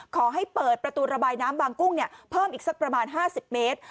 ขอให้เปิดประตูระบายน้ำบางกุ้งเพิ่มอีกสักประมาณ๕๐เมตร